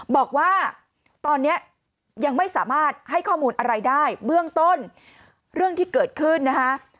บอกว่าตอนนี้ยังไม่สามารถให้ข้อมูลอะไรได้เบื้องต้นเรื่องที่เกิดขึ้นนะคะ